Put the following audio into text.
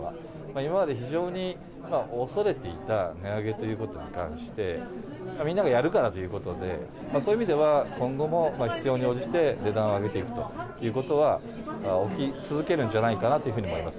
今まで非常に恐れていた値上げということに関して、みんながやるからということで、そういう意味では、今後も必要に応じて値段を上げていくということは、起き続けるんじゃないかなというふうに思います。